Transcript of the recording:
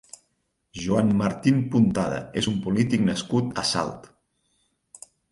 Joan Martín Puntada és un polític nascut a Salt.